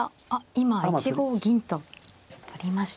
今１五銀と取りました。